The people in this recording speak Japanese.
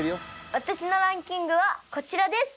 私のランキングはこちらです。